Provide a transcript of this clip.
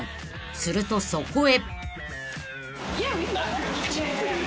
［するとそこへ］